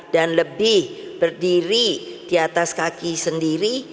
dan lebih berdiri di atas kaki sendiri